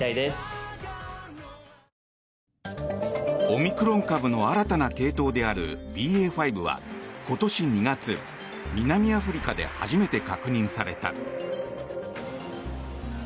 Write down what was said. オミクロン株の新たな系統であるＢＡ．５は今年２月、南アフリカで初めて確認された。